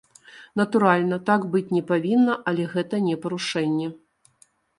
Натуральна, так быць не павінна, але гэта не парушэнне.